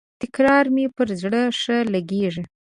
تکرار مي پر زړه ښه لګیږي.